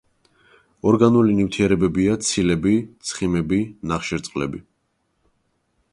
ორგანული ნივთიერებებია: ცილები, ცხიმები, ნახშირწყლები.